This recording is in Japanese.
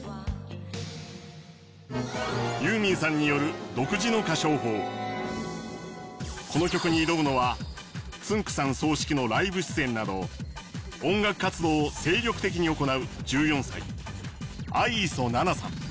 ユーミンさんによるこの曲に挑むのはつんく♂さん総指揮のライブ出演など音楽活動を精力的に行う１４歳相磯菜々さん。